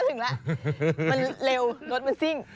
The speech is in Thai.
มันเร็วรถมันสิ้ง